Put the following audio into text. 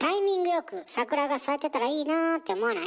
よく桜が咲いてたらいいなって思わない？